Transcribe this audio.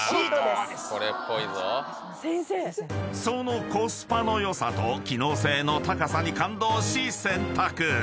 ［そのコスパの良さと機能性の高さに感動し選択］